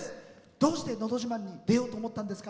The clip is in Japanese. どうして「のど自慢」に出ようと思ったんですか？